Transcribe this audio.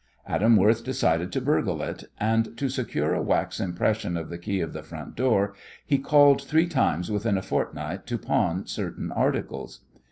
Adam Worth decided to burgle it, and to secure a wax impression of the key of the front door he called three times within a fortnight to pawn certain articles.